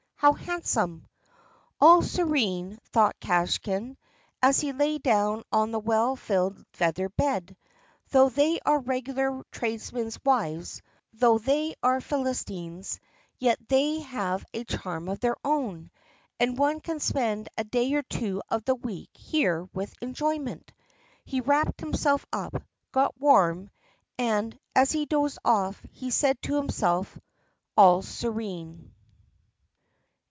How handsome!" "All serene," thought Kvashin, as he lay down on the well filled feather bed. "Though they are regular tradesmen's wives, though they are Philistines, yet they have a charm of their own, and one can spend a day or two of the week here with enjoyment. ..." He wrapped himself up, got warm, and as he dozed off, he said to himself: "All serene!"